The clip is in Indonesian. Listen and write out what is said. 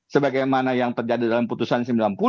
sebagaimana yang terjadi dalam putusan sembilan puluh